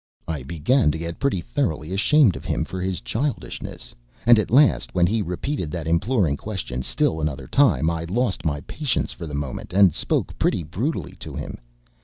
I began to get pretty thoroughly ashamed of him for his childishness; and at last, when he repeated that imploring question still another time, I lost my patience for the moment, and spoke pretty brutally to him.